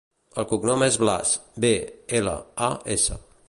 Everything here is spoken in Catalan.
El cognom és Blas: be, ela, a, essa.